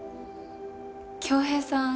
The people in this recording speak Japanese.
恭平さん。